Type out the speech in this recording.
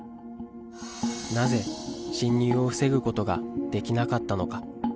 なぜ侵入を防ぐことができなかったのか。